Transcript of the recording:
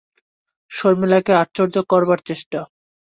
শর্মিলাকে আশ্চর্য করবার চেষ্টা।